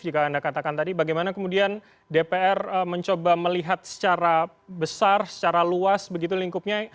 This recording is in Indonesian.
jika anda katakan tadi bagaimana kemudian dpr mencoba melihat secara besar secara luas begitu lingkupnya